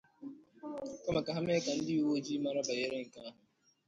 kama ka ha mee ka ndị uweojii mara banyere nke ahụ.